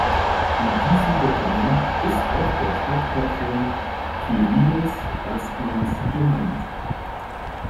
In diesem Dokument ist auch der Stadtpatron "Quirinus" erstmals genannt.